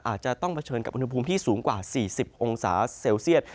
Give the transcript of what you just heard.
อาจจะต้องเผชิญกับอุณหภูมิที่สูงกว่า๔๐องศาเซลเซียต